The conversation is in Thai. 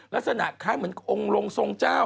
ลักษณะคล้ายเหมือนองค์ลงทรงเจ้า